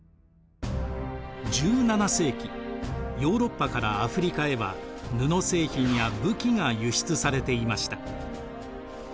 １７世紀ヨーロッパからアフリカへは布製品や武器が輸出されていました。